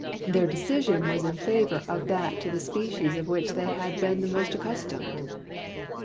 Their decision was in favour of that to the species of which they had been the most accustomed.